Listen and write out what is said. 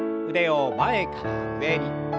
腕を前から上に。